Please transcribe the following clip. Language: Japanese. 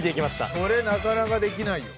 それなかなかできないよ。